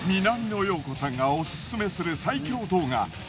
南野陽子さんがオススメする最強動画。